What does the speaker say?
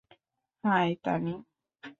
High, Tani.